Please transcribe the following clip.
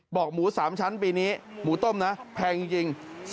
หมู๓ชั้นปีนี้หมูต้มนะแพงจริง